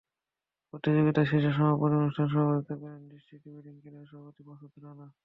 প্রতিযোগিতা শেষে সমাপনী অনুষ্ঠানের সভাপতিত্ব করেন দৃষ্টি ডিবেটিং ক্লাবের সভাপতি মাসুদ বকুল।